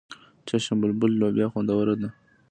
چشم بلبل لوبیا خوندوره ده.